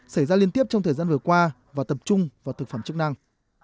xảy ra liên tiếp trong thời gian vừa qua và tập trung vào thực phẩm chức năng